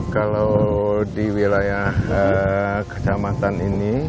kalau di wilayah kecamatan ini